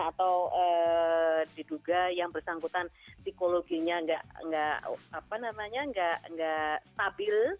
atau diduga yang bersangkutan psikologinya nggak stabil